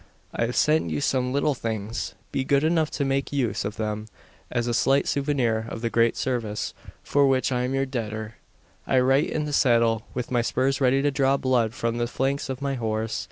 I have sent you some little things. Be good enough to make use of them, as a slight souvenir of the great service for which I am your debtor. I write in the saddle, with my spurs ready to draw blood from the flanks of my horse.